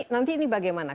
nanti ini bagaimana